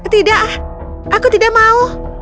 tidak aku tidak mau